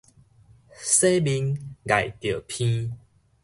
洗面礙著鼻